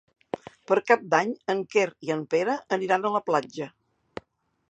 Per Cap d'Any en Quer i en Pere aniran a la platja.